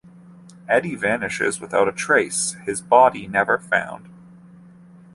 Eddie vanishes without a trace, his body never found.